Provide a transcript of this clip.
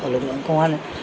ở lực lượng công an